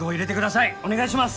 お願いします！